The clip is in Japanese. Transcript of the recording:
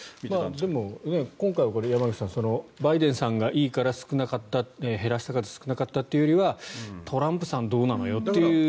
でも、今回は山口さんバイデンさんがいいから減らした数が少なかったというよりはトランプさんどうなのよという。